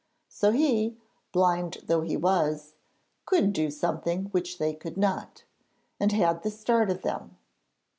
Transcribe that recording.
So he, blind though he was, could do something which they could not, and had the start of them!